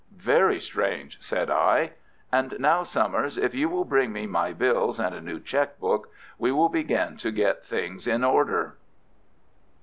"Very strange," said I. "And now, Summers, if you will bring me my bills and a new cheque book, we will begin to get things into order."